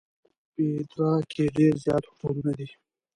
پېټرا کې ډېر زیات هوټلونه دي.